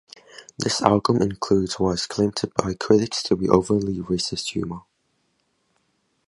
The album includes what is claimed by critics to be overtly racist humour.